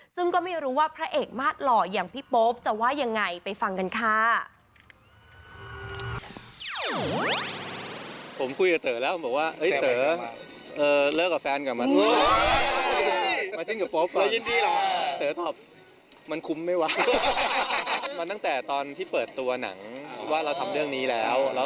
ซึ่งก็ไม่รู้ว่าพระเอกมาสหล่ออย่างพี่โป๊ปจะว่ายังไงไปฟังกันค่ะ